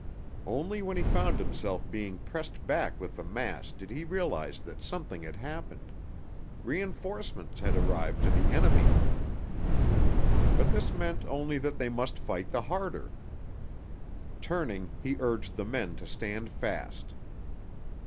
Only when he found himself being pressed back with the mass did he realize that something had happened; reënforcements had arrived to the enemy. But this meant only that they must fight the harder. Turning, he urged the men to stand fast.